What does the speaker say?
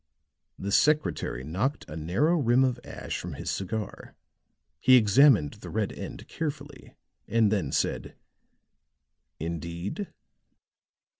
The secretary knocked a narrow rim of ash from his cigar; he examined the red end carefully, and then said: "Indeed?"